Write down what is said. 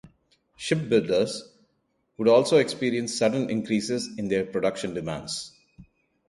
Ship builders would also experience sudden increases in their production demands.